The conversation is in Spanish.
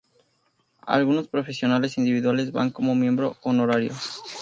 Algunos profesionales individuales van como "miembro honorario".